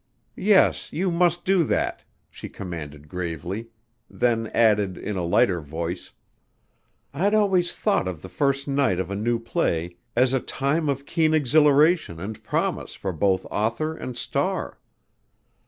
"Yes, you must do that," she commanded gravely, then added in a lighter voice: "I'd always thought of the first night of a new play as a time of keen exhilaration and promise for both author and star."